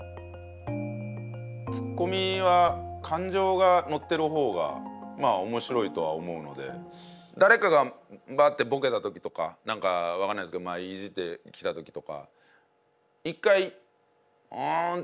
ツッコミは感情が乗ってるほうがまあ面白いとは思うので誰かがバッてボケた時とか何か分かんないですけどいじってきた時とか一回「うん」って。